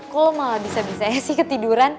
kok malah bisa bisanya sih ketiduran